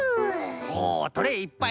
おおトレーいっぱい。